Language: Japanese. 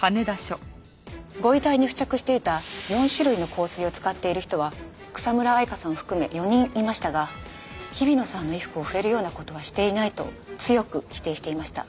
ご遺体に付着していた４種類の香水を使っている人は草村愛花さん含め４人いましたが日比野さんの衣服を触れるような事はしていないと強く否定していました。